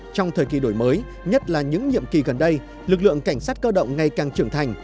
trong thời kỳ đổi mới nhất là những nhiệm kỳ gần đây lực lượng cảnh sát cơ động ngày càng trưởng thành